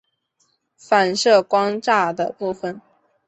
反射光栅的部分。